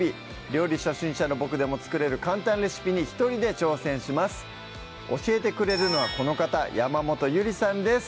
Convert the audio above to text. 料理初心者のボクでも作れる簡単レシピに一人で挑戦します教えてくれるのはこの方山本ゆりさんです